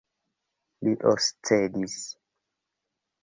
Li oscedis.